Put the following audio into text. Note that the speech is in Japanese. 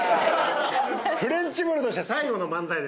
フレンチぶるとして最後の漫才ですからね。